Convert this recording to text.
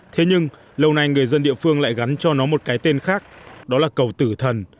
thế nhưng lâu nay người dân địa phương lại gắn cho nó một cái tên khác đó là cầu tử thần